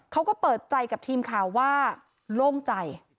เขาก็เปิดใจกับทีมข่าวว่าโล่งใจ